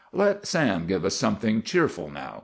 "Let Sam give us something cheerful now!"